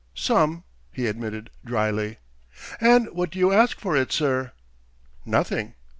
"Some," he admitted drily. "And what do you ask for it, sir?" "Nothing."